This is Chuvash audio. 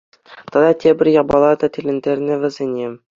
Тата тепӗр япала та тӗлӗнтернӗ вӗсене.